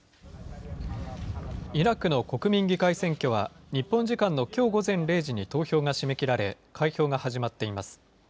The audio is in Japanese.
イラクの国民議会選挙は、日本時間のきょう午前０時に投票が締め切られ、開票が始まっています。